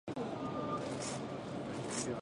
コーヒーにはカフェインが含まれています。